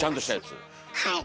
はい。